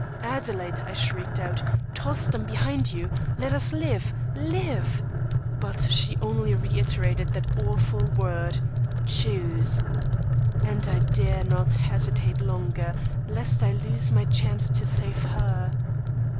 'Adelaide!' I shrieked out. 'Toss them behind you. Let us live live!' But she only reiterated that awful word: 'Choose!' and I dare not hesitate longer, lest I lose my chance to save her.